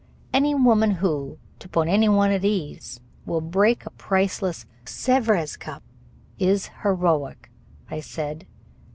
"Any woman who, to put any one at ease, will break a priceless Sevres cup is heroic," I said.